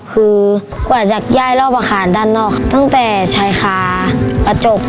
คือกว่าจะย่ายรอบอาคารด้านนอกตั้งแต่ชายคากระจก